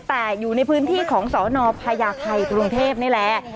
แต่อยู่ในพื้นที่ของสนพญาไทยกรุงเทพนี่แหละ